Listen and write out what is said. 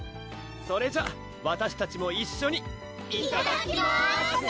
それじゃわたしたちも一緒にいただきます